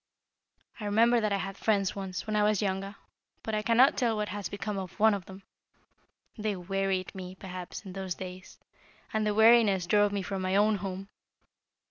I remember that I had friends once, when I was younger, but I cannot tell what has become of one of them. They wearied me, perhaps, in those days, and the weariness drove me from my own home.